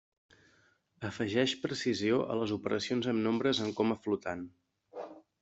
Afegeix precisió a les operacions amb nombres en coma flotant.